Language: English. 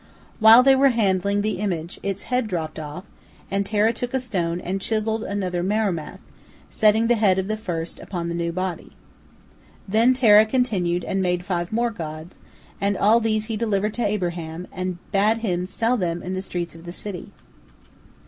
While they were handling the image, its head dropped off, and Terah took a stone, and chiselled another Marumath, setting the head of the first upon the new body. Then Terah continued and made five more gods, and all these he delivered to Abraham, and bade him sell them in the streets of the city.